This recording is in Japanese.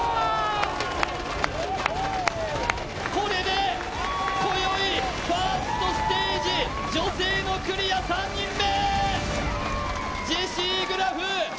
これでこよい、ファーストステージ女性のクリア３人目。